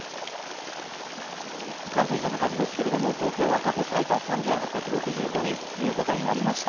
感染者の数ですけれども東京は過去最多３８６５人ということになりました。